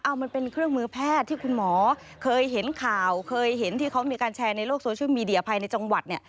เอามันเป็นเครื่องมือแพทย์ที่คุณหมอเคยเห็นข่าวเคยเห็นที่เขามีการแชร์ในโลกโซเชียลมีเดียภายในจังหวัดเนี่ย